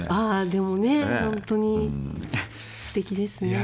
でも、本当にすてきですね。